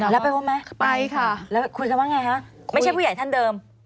แล้วไปพบไหมไปค่ะแล้วคุณจะว่าไงฮะไม่ใช่ผู้ใหญ่ท่านเดิม